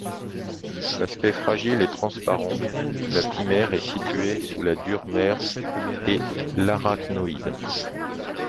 D’aspect fragile et transparent, la pie-mère est située sous la dure-mère et l’arachnoïde.